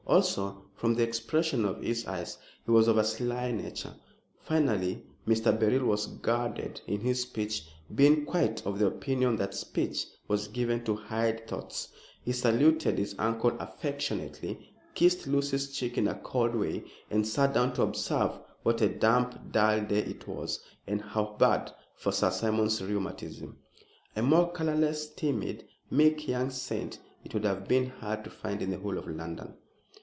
Also, from the expression of his eyes he was of a sly nature. Finally, Mr. Beryl was guarded in his speech, being quite of the opinion that speech was given to hide thoughts. He saluted his uncle affectionately, kissed Lucy's cheek in a cold way, and sat down to observe what a damp, dull day it was and how bad for Sir Simon's rheumatism. A more colorless, timid, meek young saint it would have been hard to find in the whole of London.